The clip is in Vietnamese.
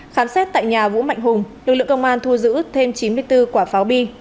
khám xét tại nhà vũ mạnh hùng lực lượng công an thu giữ thêm chín mươi bốn quả pháo bi